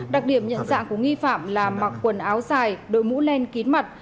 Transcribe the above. đặc điểm nhận dạng của nghi phạm là mặc quần áo dài đội mũ len kín mặt